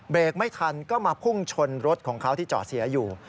ไม่ทันก็มาพุ่งชนรถของเขาที่จอดเสียอยู่